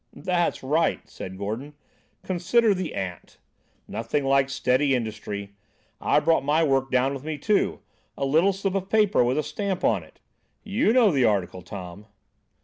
"That's right," said Gordon. "'Consider the ant.' Nothing like steady industry! I've brought my work down with me too; a little slip of paper with a stamp on it. You know the article, Tom."